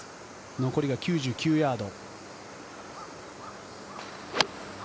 残りが９９ヤード。